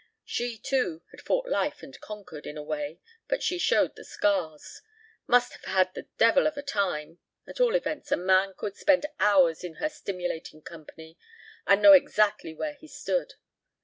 She, too, had fought life and conquered, in a way, but she showed the scars. Must have had the devil of a time. At all events a man could spend hours in her stimulating company and know exactly where he stood.